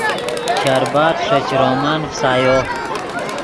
شربَت ݰے چرومن فسایو